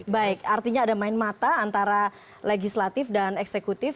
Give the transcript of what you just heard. baik artinya ada main mata antara legislatif dan eksekutif